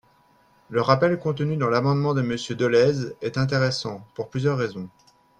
Le rappel contenu dans l’amendement de Monsieur Dolez est intéressant, pour plusieurs raisons.